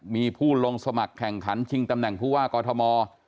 มีผู้ลงสมัครแข่งขันชิงตำแหน่งผู้ว่ากอทม